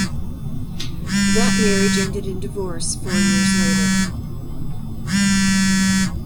That marriage ended in divorce four years later.